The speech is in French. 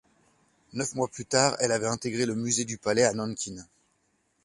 Neuf mois plus tard elle avait intégré le musée du Palais à Nankin.